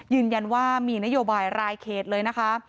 ยืนยันว่ามีนโยบายรายเขตเลยนะคะ